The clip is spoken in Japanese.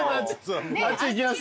あっち行きます